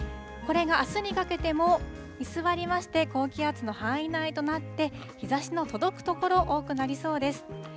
これがあすにかけても居座りまして、高気圧の範囲内となって、日ざしの届く所、多くなりそうです。